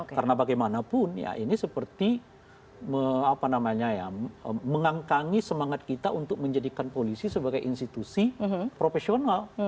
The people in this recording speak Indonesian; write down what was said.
karena bagaimanapun ya ini seperti mengangkangi semangat kita untuk menjadikan polisi sebagai institusi profesional